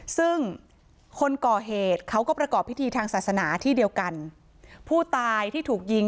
ซึ่งคนก่อเหตุเขาก็ประกอบพิธีทางศาสนาที่เดียวกันผู้ตายที่ถูกยิง